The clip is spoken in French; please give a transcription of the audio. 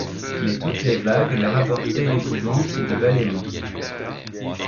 Mais toutes les vagues leur apportaient l’épouvante du balaiement.